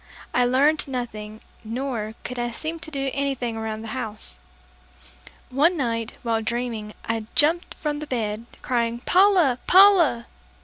I learned nothing, nor could I seem to do anything around the house. One night, while dreaming, I jumped from the bed, crying, "Paula! Paula!"